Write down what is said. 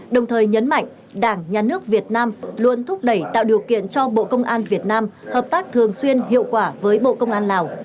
đồng thời nhấn mạnh đảng nhà nước việt nam luôn thúc đẩy tạo điều kiện cho bộ công an việt nam hợp tác thường xuyên hiệu quả với bộ công an lào